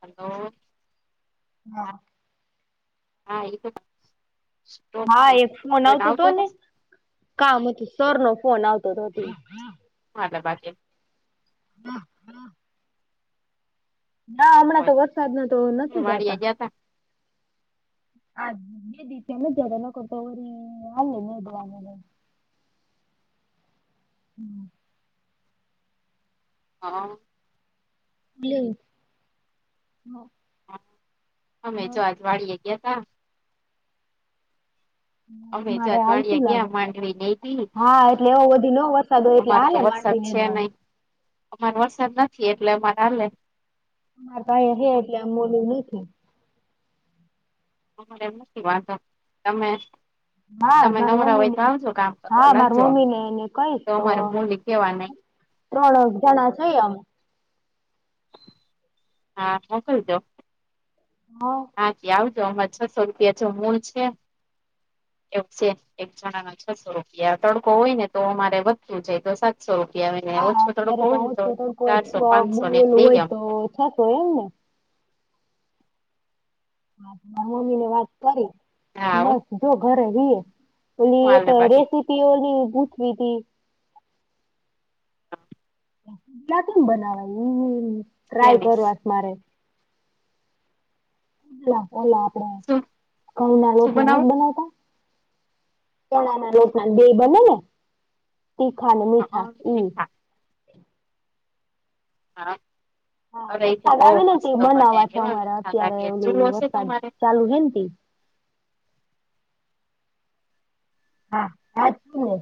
Hello. હા. હા એ તો... સ્ટોપ હા, થઈ એક ગયો ફોન કોઈને આવતો હતો ને કામ હતું સર નો ફોન આવતો હતો. હા, લે બાકી... હા, હા. ના હમણાં તો હોય વરસાદના તો નથી વાડીએ જાતા, ગયા તા આ મે દી ત્યા મ જ્યા ન કરતારી અલ્ હોદવા [unintelligible] હમ, હા, બ [unintelligible] અમે જો આજ વાળીએ ગયા તા, અમે તમારે હાલતું જાજવાળિયા ગયા લાગે માંડવી નહ દી હા એટલે એવો બધી ન અમાર તો વસ્ [unintelligible] વરસાદ છે નહીં, હ [unintelligible] અમારે વરસાદ નથી એટલે અમારે હાલે, અરે કઈ હે એટલે આમ મોલું નથી. [unintelligible] અરે એ નથી વાંધો તમે, [unintelligible] હા તમે માર નવરા મમ્મી હોય તો ને આવજો કામ હા કરવા માર લાગજો. મમ્મી ને એને તો અમારે મોલી કેવા નહી, ત્રણેક જણા જઈ આવ, હા મોકલજો, હા. હા તો આવજો અમાં છસો રૂપિયા જો મૂલ છે. એવુ છે એક જણા ના છસો રૂપિયા તડકો હોય ને તો અમારે વધતું જાય તો સાત સો રૂપિયાને હા ઓછો તડકો અત્યારે હોય ને હું તો છું ચારસો પાંચસો ને લઈ ગયા, કોયા ને [unintelligible] હા મારા મમ્મી ને વાત કરી, હા હું બસ જો ઘરે રઈએ, ઓલી એક હાલે બાકી રેસીપી ઓની પૂછવી તી, પુડલા કેમ બનાવાય એ ટ્રાય કેની કરવા છે મારે, પેલા પેલા આપડે શું ઘંઉ ના લોટ શું ના નથી બનાવું બનાવતા, ચણા ના લોટના બેય બને ને તીખા અને અહ મીઠા ઈ, મીઠા હા હા અરે એ તો વરસાદ બહુ આવે ને તે મસ્ત બને બનાવવા છે કેવા અમારે મીઠા અત્યારે લાગે ઓલું ચુલો હશે વરસાદ તમારે? ચાલુ હે, તે હા હા શું હો,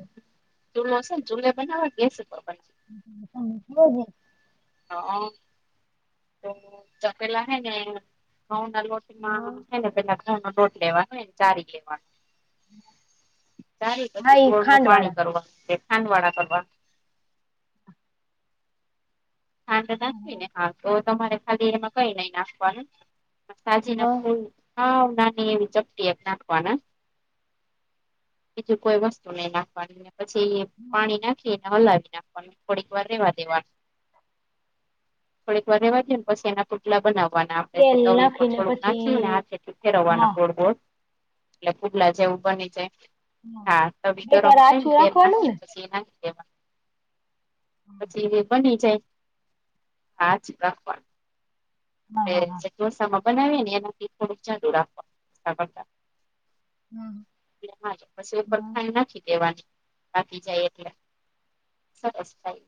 ચૂલો છે ને ચૂલે બનાવા કે ગેસ ઉપર બનાવા? શજે [unintelligible] હ તો ચપેલા હ ને ઘઉ ના લોટ હા છે ને પેલા ઘઉ નો લોટ લેવાનો એને ચારી લેવાનો, ચારી હા પછી ઈ ગોળ નું ખાંડ વાળા પાણી કરવા કે ખાંડવાળા કરવા? ખાંડ નાખવી ને હા તો તમારે ખાલી એમાં કંઈ નહી નાખવાનું, સાજી ના ફૂલ હા સાવ નાની એવી ચપટી એક નાખવાના, બીજું કોઈ વસ્તુ નહીં નાખવાની, પછી પાણી નાખીને હલાવી નાખવાનું થોડીક વાર રેવા દેવાનુ, થોડીક વાર રેવા દો પછી એના પર [unintelligible] પુડલા બનાવવાના આપણેે તેલ તવી ઉપર નાખીને થોડુંક પછી નાખીને હાથે થી હા ફેરવવાના ગોળ ગોળ, એટલે પુડલા જેવું બની જાય હા તવી બેટર ગરમ થાય ને આછું તેલ રાખવાનું નાખી ને પછી એમા એમાં પછી એ બની જાય આછુ રાખવાનું હા એ હા હા જે ઢોસામાં બનાવીએ ને એનાથી થોડુંક જાડુ રાખવાનું [unintelligible] હમ એમાંચ પછી ઉપર હા ખાંડ નાખી દેવાની. પાકી જાય એટલે સરસ થાય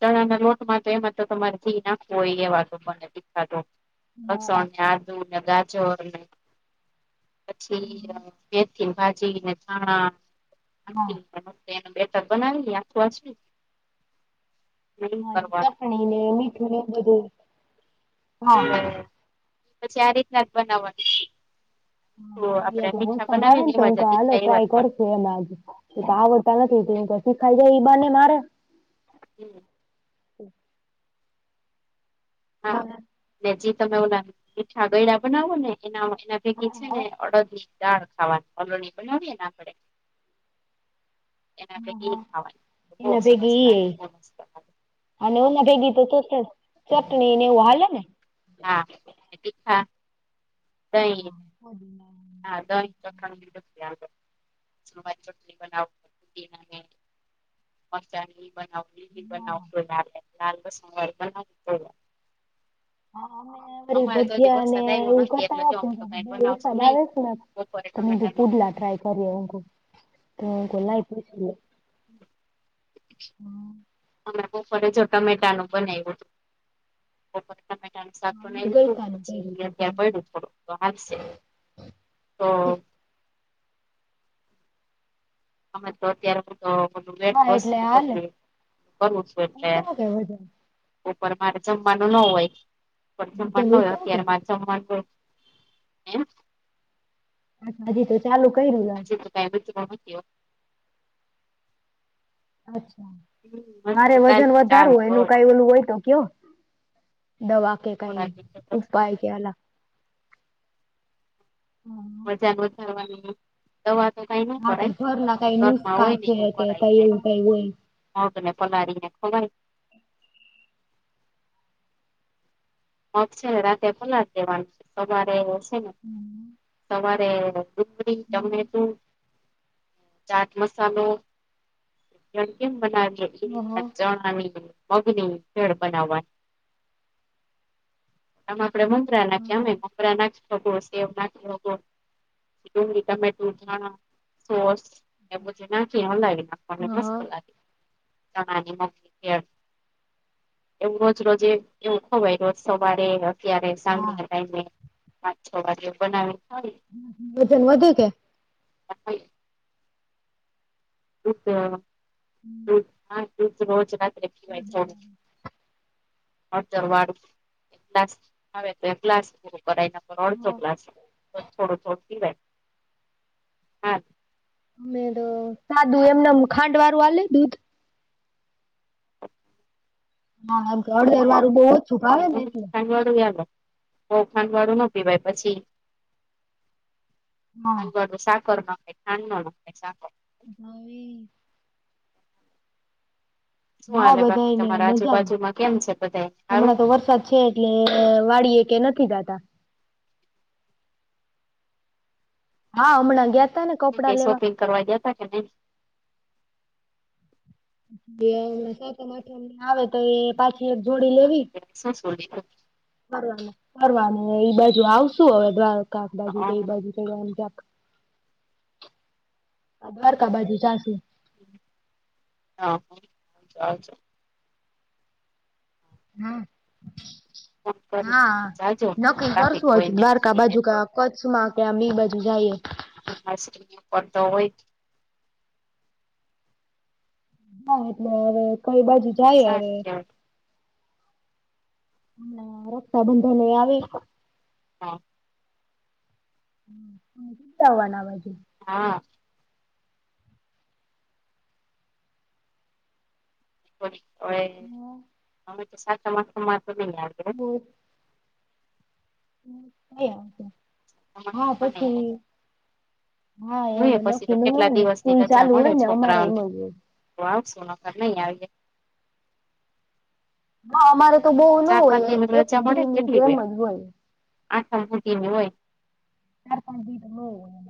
ચણા ના લોટ માં તો એમાં તો તમારે ધી નાખવું હોય એવા તો બને કાઢો હા લસણ ને આદુ ને ગાજરને પછી અહ મેથીની ભાજીને, ધાણા હા નાખીને એનુ બેટર બનાવી આખું [unintelligible] એ મરી કરવાનું. ચટણીને, મીઠુંને એઉ બધું હા હમ્મ પછી આ રીતના જ બનાવવાની હા, હા [unintelligible] ભાવે ન તો હું જ કહું આલો તીખા એવા ટ્રાય જ બને. કરી કે લાગી ઈ કે આવડતા નથી, ઈ કે હું કહું શીખાઈ જાય બાર ને ઇ બાને મારે હમ્મ હા અને જી તમે ઓલા મીઠા ગયડા બનાવો ને એના એના હા ભેગી છે ને અડદની દાળ ખાવાની, ઓલોણી બનાવીએ આપણે, એના હા ભેગી હા ખાવાની બહુ એના સરસ ભેગી ઈ લાગે, એય બહુ મસ્ત લાગે, અને ઓના ભેગી તો તો ચો ચટણી ને એવું હાલે ને હા અને તિખા, દહીં ફોદિના. હા દહીં ચટણી [inaudible] લસણ વારી ચટણી બનવું અને મરચાની ઈ બનાવું, લિલી હા બનાવું કોઈ લાલ લાલ લસણવાળી બનાવું કોઈક વાર હા અમે કરી ભજીયાને આવ્યો એવું નથી એટલે કરતા જો અમે તો આપ્યું કઈ બનાવશું વરસાદ નહી આવે છે ને બપોરે તો મે કિધુ ટમેટાનું પૂડલા ટ્રાય કરીએ હુ કવ તો લાય પુછી લવ. હમ્મ અમના બપોરે જો ટમેટાનું બનાયવું હતું. બપોરે ટમેટાનું સાક અમે બનાયવુ તું ગલકાનું કર્યું પછી તું અત્યારે પયડું થોડુક તો હાલશે. તો અમે તો અત્યારે હા એટલે હાલે [unintelligible] કરું છું એટલે ઉતરો કે વજન બપોરે મારે જમવાનું ન હોય, બોપરે વજન જમવાનું ન હોય ઉતરો કે અત્યારે મારે જમવા ગયો એમ બસ હજી તો ચાલુ કર્યું લા હજુ તો ટાઈમે જ ભણવા ગયો અચ્છા હમ હજી મારે તો વજન કાલથી ચાલુ વધારવો કરું એનું કઈ છું ઓલું હોય તો કયો, દવા કે કઈ થોડા દિવસો પછી ઉપાય કે અલા હમ્મ વજન વધારવાની દવા તો કઈ નો હા કે કરાય, ઘરના જે કઈ ઘરમાં નુસ્ખા હોય ને છે એવું કે કરાય કઈ કઈક એવું કઈ હોય મગને પલાળીને ખવાય મગ છે ને રાતે પલાળી દેવાનું, સવારે છે ને હમ સવારે ડુંગળી, ટમેટું ચાટ મસાલો કેમ કેમ બનાવિએ એ ઓહો રીતના ચણાની, મગની ભેળ બનાવવાની. આમા આપડે મમરા નાખીએ, ઓહો આમા મમરા નાખી સોસ સેવ નાખી, તમે ડુંગળી, ટમેટા, સોસ એ બધી નાખી હલાવી નાખવાને મસ્ત હા લાગે. ચણા મમરાની ભેળ એવું રોજ રોજે એવું ખવાય સવારે અત્યારે હા. સાંજના ટાઈમે, પાંચ છ વાગે બનાવી ખાઈ વજન વધે કે? [inaudible] હા [inaudible] હળદરવાળું ગ્લાસ આવે તો એકલાસ પૂરું કરાઈને અડધો ગ્લાસ, તો થોડું થોડું પિવાય, હા. મેં દ સાદું એમને ખાંડવાળું આલે દૂધ? [inaudible] હા ઘર દરવારું બહુજ બીજું ખાંડ વાળું યાલેબબઉ ખાંડ વાળું ના પીવાય પછી હા ખાંડ વાળું સાકર નખાએ ખાંડ નો નખાય સાકર હવી. શું હા હાલે બધા બાકી ને તમારા મજા આજુબાજુમાં કેમ છે બધા સારું હમણાં તો વરસાદ છે એટલે વાળીએ કે નથી જાતા. હા હામણા ગયા તા ને. કે કપડા લેવા શોપિંગ કરવા ગયા તા કે નહી? જેમ સાત અઠ આવે તો એ પાછી એક જોડી લેવી. એ શું શું લીધું? ફરવા ફરવા ના ઈ બાજુ આવશું હવે દ્વારકા હા તે ઈ બાજુ [unintelligible] દ્વારકા બાજુ જાશું. હા આવજો આવજો. હા ફોન કરીને હા જાજો નકકી ટ્રાફિક કરશું હોય હજુ ને દ્વારકા મંદિરે બાજુકા કચ્છ આ કે બી બાજુ જઈએ. [unintelligible] કરતો હોય ના એટલે હવે કઈ બાજુ જાય સારું હવે. કેવાય હા રક્ષાબંધન એ આવી હા. [unintelligible] આના બાજુ. હા. હવે અમે તો સાતમ આઠમ માત્ર નહી આલુ હ. હા કયા છે, હા પછી હા જોઈએ એમાં પછી તો નકી નું હોય કેટલા ને દિવસની સ્કૂલ રજા ચાલુ મળે હોય ને અમારે છોકરાઓને એમાં જ હોય. તો આવ સો નખર નહી આવીએ. હ અમારે તો બહુ ના ચાર પાંચ હોય દિન એક દિ ની જેમ જ હોય. આ શાંતિ હોય. ચાર પાંચ દીધા હોય ઓહ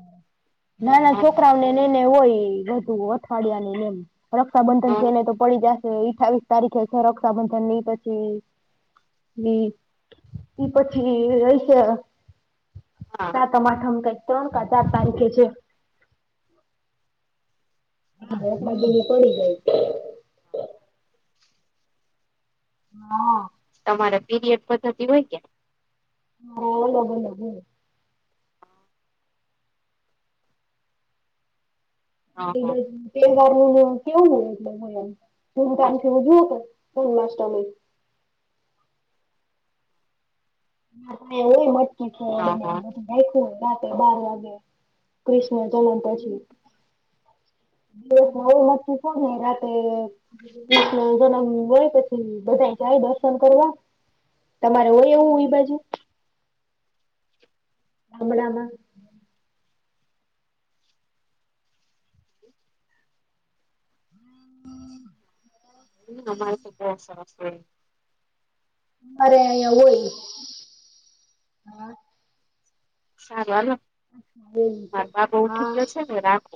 નાના છોકરાઓને એને હોય બધુ અઠવાડિયા ની એમ. રક્ષાબંધન થઈને તો પડી જશે અઠાવીસ તારીખે છે રક્ષાબંધન ની પછી હમ્મ પછી [unintelligible] હા સાતમ આઠમ કઈક ત્રણ કા ચાર તારીખે છે. [unintelligible] તોડી જાય છે. હા. તમારા પિરીયડસ પ્ધતિ હોય કે? [unintelligible] હા હા બ નું કેવું એટલે હ મૂ તારીખે ઉજવું તો જન્માષ્ટમી. હોય મટકી ફોડ હા ને હા એવું બધું. રાખું રાતે બાર વાગે કૃષ્ણ જન્મ પછી. [unintelligible] ને રાતે કૃષ્ણ જન્મ હોય, પછી બધા જાય દર્શન કરવા તમારે હોય એવું ઇ બાજુ? ગામડામાં અમારે તો બોહુ સરસ હોય અરે અહિંયા હોય. હા સારુ હાલો, એવું છે માર બાબો ઊઠી હા ગયો છે, મે રાખો.